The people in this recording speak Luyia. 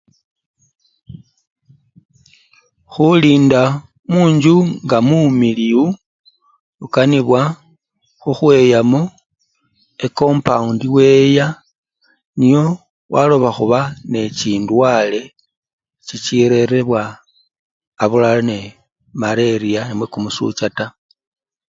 Khulinda munjju nga mumiliyu ukanibwa khukhweyamo, ekombawundi weya nio waloba khuba nechindwale chichirerebwa abulala nee maleriya namwe kumusucha taa.